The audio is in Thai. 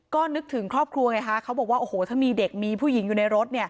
ก็นึกถึงครอบครัวไงคะเขาบอกว่าโอ้โหถ้ามีเด็กมีผู้หญิงอยู่ในรถ